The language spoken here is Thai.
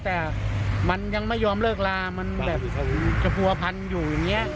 แต่มันยังไม่ยอมเลิกลามันแบบจะผัวพันอยู่อย่างนี้